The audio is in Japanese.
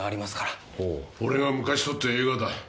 俺が昔撮った映画だ。